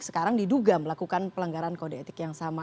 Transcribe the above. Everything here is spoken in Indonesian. sekarang diduga melakukan pelanggaran kode etik yang sama